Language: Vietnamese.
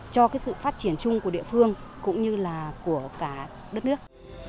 cho cái sự phát triển chung của địa phương cũng như là của cả đất nước